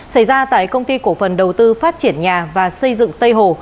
xảy ra tại công ty cổ phần đầu tư phát triển nhà và xây dựng tây hồ